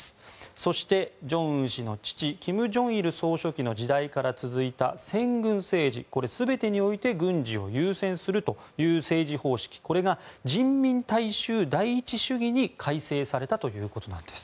そして、正恩氏の父金正日総書記の時代から続いた先軍政治、全てにおいて軍事を優先するという政治がこれが人民大衆第一主義に改正されたということなんです。